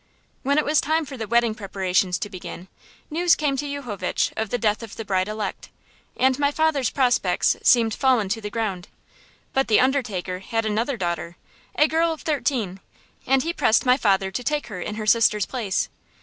When it was time for the wedding preparations to begin, news came to Yuchovitch of the death of the bride elect, and my father's prospects seemed fallen to the ground. But the undertaker had another daughter, girl of thirteen, and he pressed my father to take her in her sister's place.